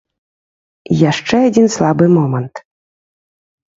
Яшчэ адзін слабы момант.